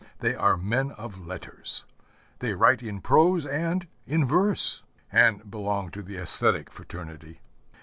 They are men of letters. They write in prose and in verse, and belong to the æsthetic fraternity.